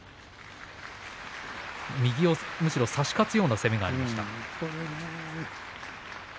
右、差し勝つような攻めがありました。